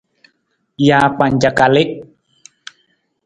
Jaakpanca kalii.